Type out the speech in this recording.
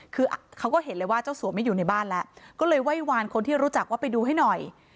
คือเขาก็เห็นเลยว่าเจ้าสัวไม่อยู่ในบ้านแล้วก็เลยไหว้วานคนที่รู้จักว่าไปดูให้หน่อย